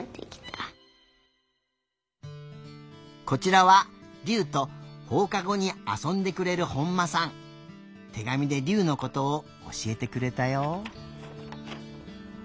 こちらはりゅうとほうかごにあそんでくれるてがみでりゅうのことをおしえてくれたよ。